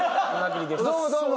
どうもどうも。